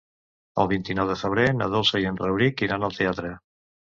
El vint-i-nou de febrer na Dolça i en Rauric iran al teatre.